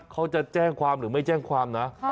เขาจะแจ้งความหรือไม่แจ้งความนะ